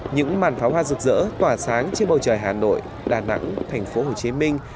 những màn pháo hoa rực rỡ tỏa sáng trên bầu trời hà nội đà nẵng thành phố hồ chí minh